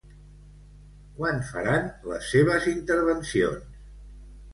Quan faran les seves intervencions?